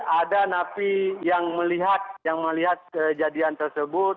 ada napi yang melihat kejadian tersebut